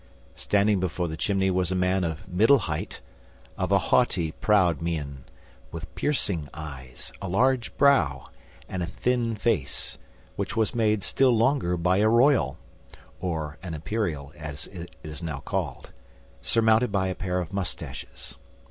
Standing before the chimney was a man of middle height, of a haughty, proud mien; with piercing eyes, a large brow, and a thin face, which was made still longer by a royal (or imperial, as it is now called), surmounted by a pair of mustaches.